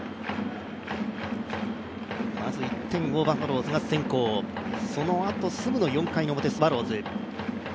まず１点をバファローズが先行、そのあとすぐの４回の表スワローズ。